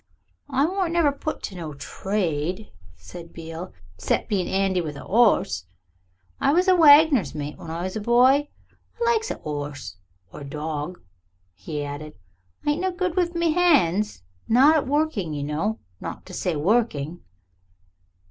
"I warn't never put to no trade," said Beale, "'cept being 'andy with a 'orse. I was a wagoner's mate when I was a boy. I likes a 'orse. Or a dawg," he added. "I ain't no good wiv me 'ands not at working, you know not to say working."